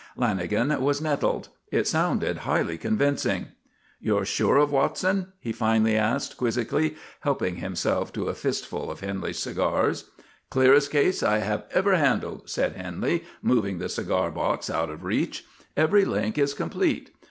Lanagan was nettled. It sounded highly convincing. "You're sure of Watson?" he finally asked, quizzically, helping himself to a fist full of Henley's cigars. "Clearest case I have ever handled," said Henley, moving the cigar box out of reach. "Every link is complete.